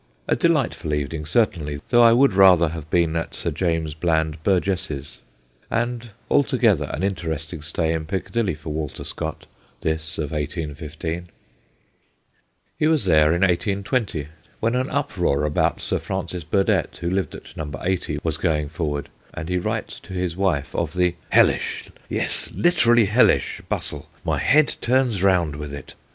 A delightful evening, certainly, though I would rather have been at Sir James Bland Burgess's. And altogether an interesting stay in Picca dilly for Walter Scott, this of 1815. He was there in 1820 when an uproar 202 THE GHOSTS OF PICCADILLY about Sir Francis Burdett, who lived at No. 80, was going forward, and he writes to his wife of the ' hellish, yes, literally hellish, bustle. My head turns round with it.